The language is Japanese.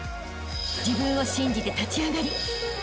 ［自分を信じて立ち上がりあしたへ